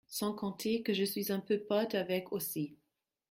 Sans compter que je suis un peu pote avec aussi